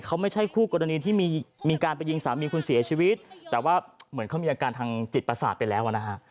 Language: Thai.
เขาไม่ใช่คู่กรณีที่มีการไปยิงสามีคุณเสียชีวิตแต่ว่าเหมือนเขามีอาการทางจิตประสาทไปแล้วอ่ะนะฮะ